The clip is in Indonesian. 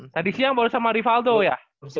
tadi siang baru sama rivaldo ya